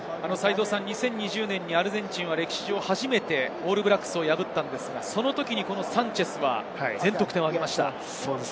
２０２０年にアルゼンチンは歴史上初めてオールブラックスを破ったのですが、そのときにサンチェスは全得点を挙げました。